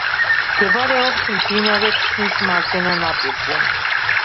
მდებარეობს მდინარე ქსნის მარჯვენა ნაპირზე.